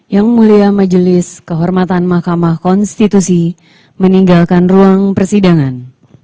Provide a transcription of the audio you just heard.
yang mulia majelis kehormatan mahkamah konstitusi meninggalkan ruang persidangan